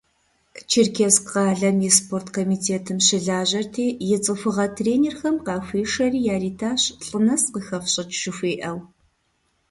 Черкесск къалэм и спорткомитетым щылажьэрти, и цӏыхугъэ тренерхэм къахуишэри яритащ, лӏы нэс къыхэфщӏыкӏ жыхуиӏэу.